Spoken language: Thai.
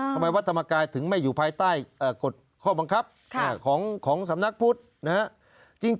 ทำไมวัดธรรมกายถึงไม่อยู่ภายใต้กฎข้อบังคับของสำนักพุทธนะครับ